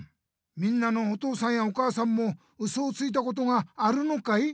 みんなのお父さんやお母さんもウソをついたことがあるのかい？